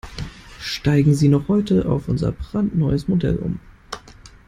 Steigen Sie noch heute auf unser brandneues Modell um!